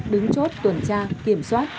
đứng chốt tuần tra kiểm soát